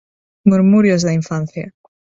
Murmurios da infancia.